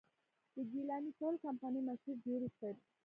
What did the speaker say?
د ګيلاني کول کمپني مشهور جوړي سر،